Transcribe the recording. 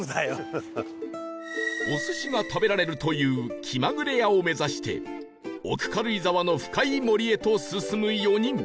お寿司が食べられるというきまぐれやを目指して奥軽井沢の深い森へと進む４人